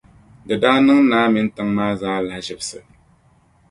Di daa niŋ naa mini tiŋa maa zaa lahaʒibsi.